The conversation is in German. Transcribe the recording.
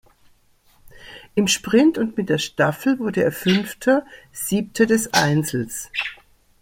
Im Sprint und mit der Staffel wurde er Fünfter, Siebter des Einzels.